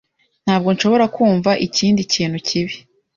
Ntabwo nshobora kumva ikindi kintu cyibi.